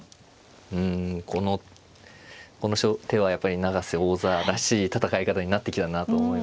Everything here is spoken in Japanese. うんこの手はやっぱり永瀬王座らしい戦い方になってきたなと思いますね。